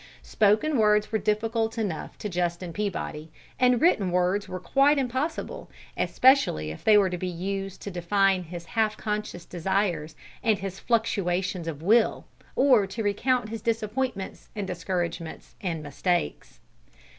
Spoken words were difficult enough to Justin Peabody, and written words were quite impossible, especially if they were to be used to define his half conscious desires and his fluctuations of will, or to recount his disappointments and discouragements and mistakes.